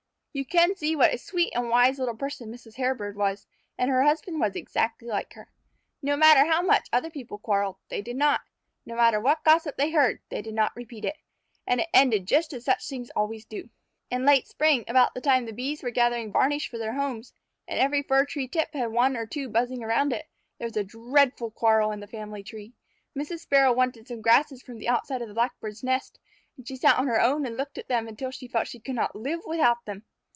You can see what a sweet and wise little person Mrs. Hairbird was, and her husband was exactly like her. No matter how other people quarrelled, they did not. No matter what gossip they heard, they did not repeat it. And it ended just as such things always do. In late spring, about the time that the Bees were gathering varnish for their homes, and every fir tree tip had one or two buzzing around it, there was a dreadful quarrel in the family tree. Mrs. Sparrow wanted some grasses from the outside of the Blackbirds' nest, and she sat on her own and looked at them until she felt she could not live without them.